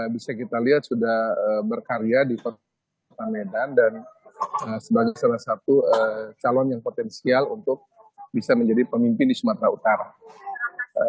bisa kita lihat sudah berkarya di kota medan dan sebagai salah satu calon yang potensial untuk bisa menjadi pemimpin di sumatera utara